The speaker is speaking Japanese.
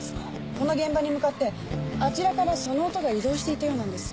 この現場に向かってあちらからその音が移動していたようなんです。